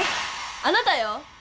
あなたよ！